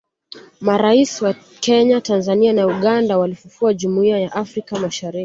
Marais wa Kenya Tanzania na Uganda waliifufua Jumuia ya Afrika Mashariki